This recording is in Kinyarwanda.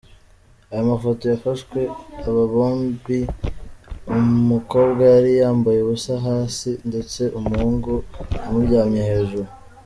Aya mafoto yafashwe aba bombi, umukobwa yari yambaye ubusa hasi ndetse umuhungu amuryamye hejuru.